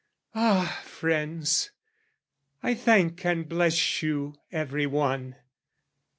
Ah! Friends, I thank and bless you every one!